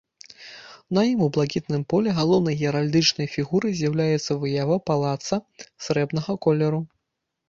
На ім у блакітным полі галоўнай геральдычнай фігурай з'яўляецца выява палаца срэбнага колеру.